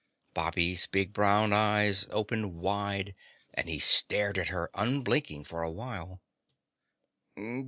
Bobby's big brown eyes opened wide and he stared at her unblinking for a while.